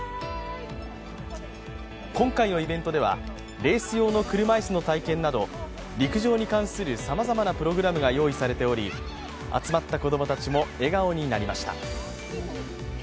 今回のイベントではレース用の車いすの体験など、陸上に関するさまざまなプログラムが用意されており集まった子供たちも笑顔になりました。